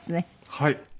はい。